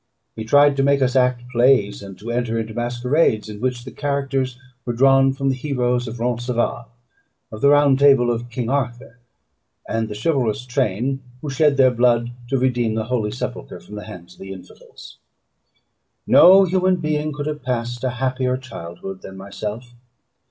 He tried to make us act plays, and to enter into masquerades, in which the characters were drawn from the heroes of Roncesvalles, of the Round Table of King Arthur, and the chivalrous train who shed their blood to redeem the holy sepulchre from the hands of the infidels. No human being could have passed a happier childhood than myself.